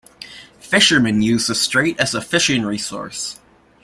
Fishermen use the strait as a fishing resource.